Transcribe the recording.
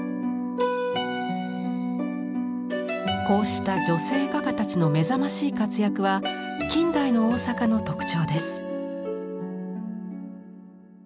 こうした女性画家たちの目覚ましい活躍は近代の大阪の特徴です。